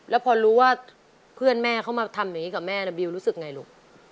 แล้วพอรู้ว่าเพื่อนแม่เขามาทำอย่างนี้กับแม่บิวรู้สึกไงลูก